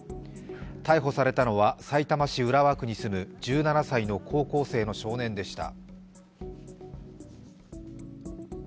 逮捕されたのは、さいたま市浦和区に住む１７歳の高校生の少年でした。